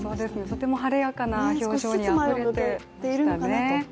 とっても晴れやかな表情をされていましたね。